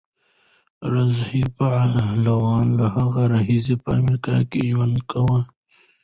رضا پهلوي له هغې راهیسې په امریکا کې ژوند کوي.